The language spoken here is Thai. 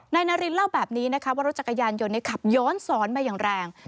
นายนารินเล่าแบบนี้นะคะว่ารถจักรยานยนต์ขับย้อนสอนมาอย่างแรง